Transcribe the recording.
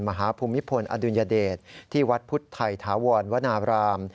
ภูมิพลอดุลยเดชที่วัดพุทธไทยถาวรวนาบราม